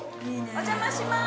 お邪魔します！